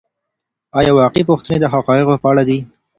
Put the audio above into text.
آيا واقعي پوښتنې د حقایقو په اړه دي؟